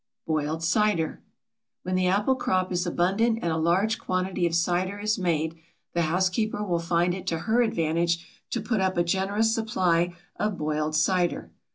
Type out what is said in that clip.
BOILED CIDER. When the apple crop is abundant and a large quantity of cider is made, the housekeeper will find it to her advantage to put up a generous supply of boiled cider.